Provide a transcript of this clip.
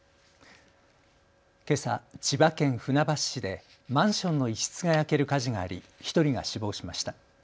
けさ、千葉県船橋市でマンションの一室が焼ける火事があり１人が死亡しました。